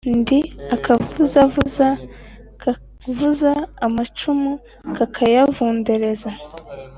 ndi akavuzavuza, kavuza amacumu kakayavundereza,